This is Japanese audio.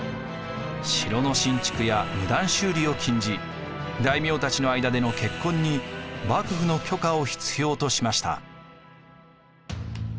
城の新築や無断修理を禁じ大名たちの間での結婚に幕府の許可を必要としました。